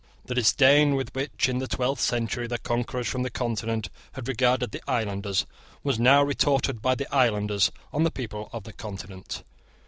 The disdain with which, in the twelfth century, the conquerors from the Continent had regarded the islanders, was now retorted by the islanders on the people of the Continent.